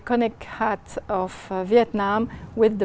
cho một quốc gia rất nhỏ như